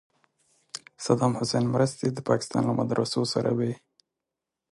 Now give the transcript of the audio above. صدام حسین مرستې د پاکستان له مدرسو سره وې.